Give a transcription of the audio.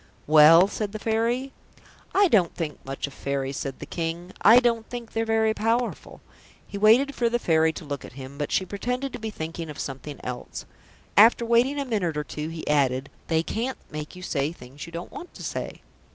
"Well?" said the Fairy. "I don't think much of Fairies," said the King. "I don't think they're very powerful." He waited for the Fairy to look at him, but she pretended to be thinking of something else. After waiting a minute or two, he added, "They can't make you say things you don't want to say."